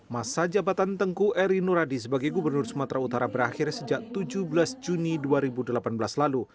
masa jabatan tengku eri nuradi sebagai gubernur sumatera utara berakhir sejak tujuh belas juni dua ribu delapan belas lalu